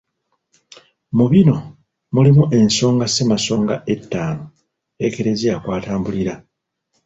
Mu bino mulimu ensonga Ssemasonga ettaano Eklezia kw'atambulira.